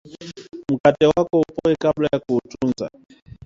mkate wako upoe kabla ya kuutunza